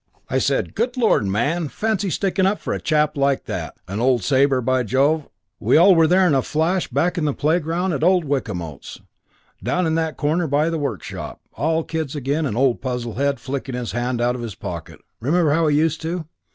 I said, 'Good lord, man, fancy sticking up for a chap like that!' And old Sabre by Jove, I tell you there we all were in a flash back in the playground at old Wickamote's, down in that corner by the workshop, all kids again and old Puzzlehead flicking his hand out of his pocket remember how he used to?